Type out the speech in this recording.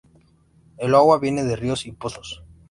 El agua viene de ríos y pozos.